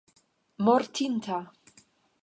mortinta